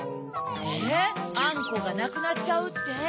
えっ「あんこがなくなっちゃう」って？